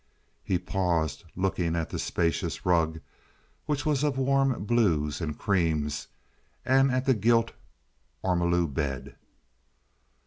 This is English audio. He paused, looking at the spacious rug, which was of warm blues and creams, and at the gilt ormolu bed.